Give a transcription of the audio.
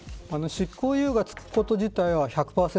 執行猶予がつくことは１００％